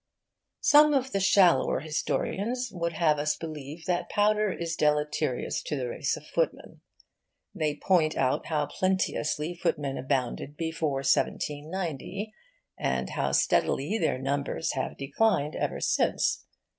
Some of the shallower historians would have us believe that powder is deleterious to the race of footmen. They point out how plenteously footmen abounded before 1790, and how steadily their numbers have declined ever since.